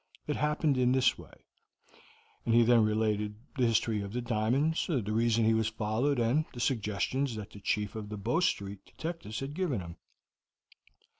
It happened in this way;" and he then related the history of the diamonds, the reason he was followed, and the suggestions that the Chief of the Bow Street detectives had given him.